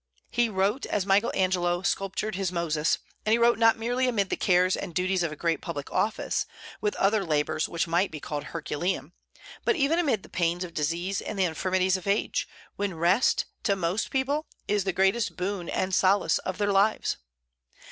He wrote as Michael Angelo sculptured his Moses; and he wrote not merely amid the cares and duties of a great public office, with other labors which might be called Herculean, but even amid the pains of disease and the infirmities of age, when rest, to most people, is the greatest boon and solace of their lives.